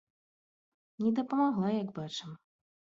Не дапамагла, як бачым.